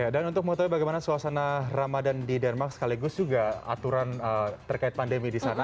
dan untuk mengetahui bagaimana suasana ramadan di denmark sekaligus juga aturan terkait pandemi di sana